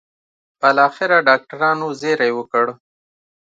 بالاخره ډاکټرانو زېری وکړ.